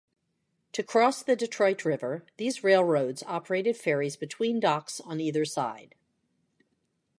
To cross the Detroit River, these railroads operated ferries between docks on either side.